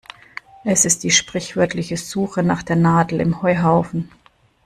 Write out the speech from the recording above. Es ist die sprichwörtliche Suche nach der Nadel im Heuhaufen.